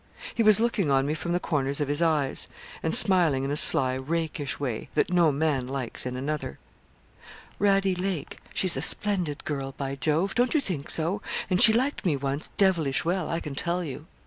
He was looking on me from the corners of his eyes, and smiling in a sly, rakish way, that no man likes in another. 'Radie Lake she's a splendid girl, by Jove! Don't you think so? and she liked me once devilish well, I can tell you.